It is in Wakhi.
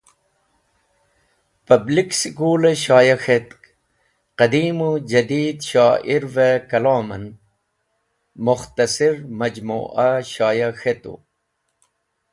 Public School e Shoya k̃hetk Qadeem u Jadied Shoirve Kalomen Mukhtasir Majmua Shoya k`hetu.